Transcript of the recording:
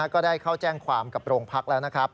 ก็ได้เข้าแจ้งความกับโรงพักแล้วนะครับ